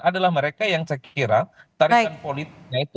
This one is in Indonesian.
adalah mereka yang saya kira tarikan politiknya itu